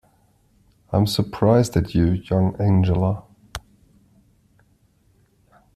I'm surprised at you, young Angela.